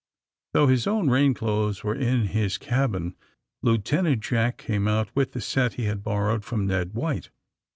'' Though his own rain clothes were in his cabin Lieutenant Jack came out with the set he had borrowed from Ned White.